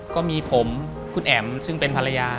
ก็มีผมคุณแอ๋มซึ่งเป็นภรรยา